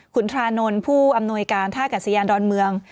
คุณทรานนท์ผู้อำนวยการท่ากัศยานดอนเมือง